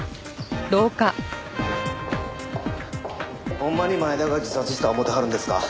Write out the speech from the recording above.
ほんまに前田が自殺した思うてはるんですか？